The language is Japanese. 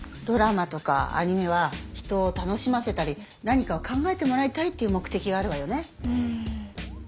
ドラマとかアニメは人を楽しませたり何かを考えてもらいたいっていう目てきがあるわよね。